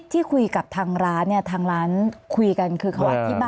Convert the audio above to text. ที่คุยกับทางร้านเนี่ยทางร้านคุยกันคือเขาอธิบาย